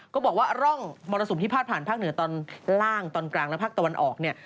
ก็บอกว่าร่องมรสุมที่พาดผ่านภาคเหนือตอนล่างตอนกลางและภาคตะวันออกเนี่ย